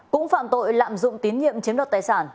cũng phạm tội lạm dụng tín nhiệm chiếm đoạt tài sản